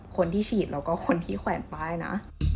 คนที่ฉีดแล้วก็คนที่แขวนป้ายนะ